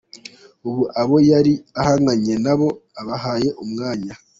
Ubu abo yari ahanganye nabo abahaye umwanya.